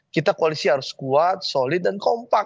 kita koalisi harus kuat solid dan kompak